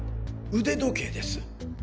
腕時計です。